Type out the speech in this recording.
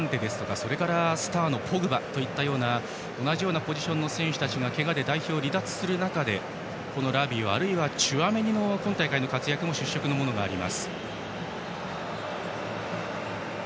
それからスターのポグバといった同じようなポジションの選手がけがで代表を離脱する中でラビオ、あるいはチュアメニも今大会の活躍は出色のものがあります。